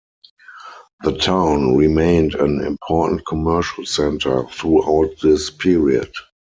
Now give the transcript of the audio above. The town remained an important commercial centre throughout this period.